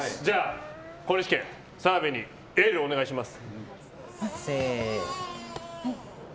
小西家、澤部にエールをお願いします。